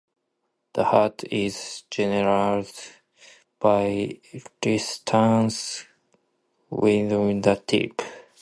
The heat is generated by resistance within the tip.